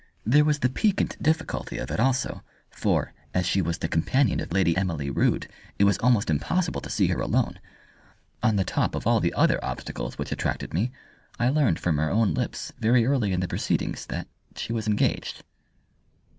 There was the piquant difficulty of it also, for, as she was the companion of Lady Emily Rood it was almost impossible to see her alone. On the top of all the other obstacles which attracted me, I learned from her own lips very early in the proceedings that she was engaged."